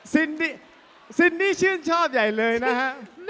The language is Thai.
ซินนี่ชื่นชอบใหญ่เลยนะฮะ